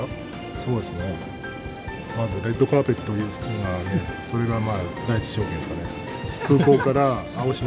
そうですね、まず、レッドカーペットが、それが第一条件ですかね。